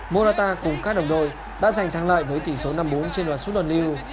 murata cùng các đồng đội đã giành thắng lợi với tỷ số năm bốn trên đoàn suốt đoàn lưu